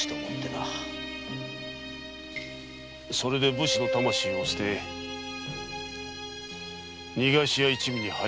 それで武士の魂を捨て「逃がし屋」一味に入ったのだな。